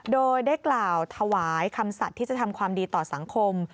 โดยได้กล่าวถวายคำสัตว์ที่จะทำความดีต่อสังคม